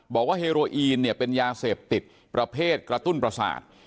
เฮโรอีนเนี่ยเป็นยาเสพติดประเภทกระตุ้นประสาท